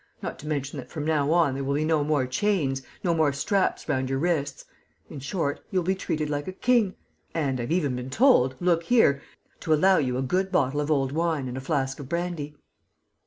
Not to mention that, from now on, there will be no more chains, no more straps round your wrists; in short, you will be treated like a king! And I've even been told look here! to allow you a good bottle of old wine and a flask of brandy."